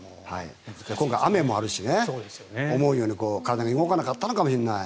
今回は雨もありますし思うように体が動かなかったのかもしれない。